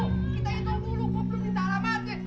kita hitung dulu kok belum ditarah mati